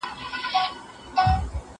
زه اجازه لرم چي لاس پرېولم؟